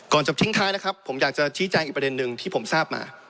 จะทิ้งท้ายนะครับผมอยากจะชี้แจงอีกประเด็นหนึ่งที่ผมทราบมา